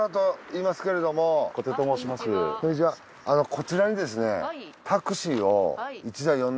こちらにですね。